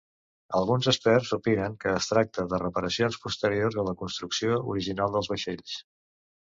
Alguns experts opinen que es tracta de reparacions posteriors a la construcció original dels vaixells.